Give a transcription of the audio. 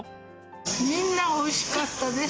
みんなおいしかったです。